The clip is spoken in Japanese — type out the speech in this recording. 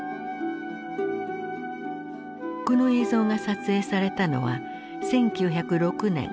この映像が撮影されたのは１９０６年４月１４日。